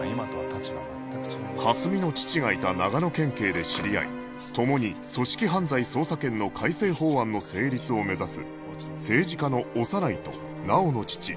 蓮見の父がいた長野県警で知り合い共に組織犯罪捜査権の改正法案の成立を目指す政治家の小山内と直央の父有働